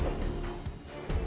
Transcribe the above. pasti dia mau jatuh